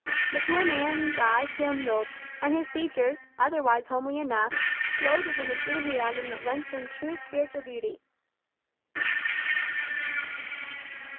The poor man's eye kindled, and his features, otherwise homely enough, glowed with an enthusiasm that lent them true spiritual beauty.